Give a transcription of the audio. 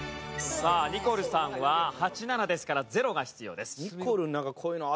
さあニコルさんは８７ですから０が必要です。